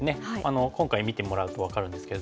今回見てもらうと分かるんですけれども。